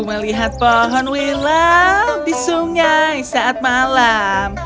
aku melihat pohon wilang di sungai saat malam